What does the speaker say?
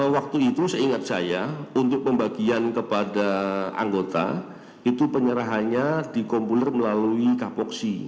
waktu itu seingat saya untuk pembagian kepada anggota itu penyerahannya dikumpul melalui kapoksi